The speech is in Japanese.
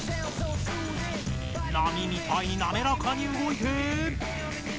波みたいになめらかに動いて。